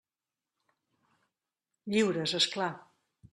Lliures, és clar.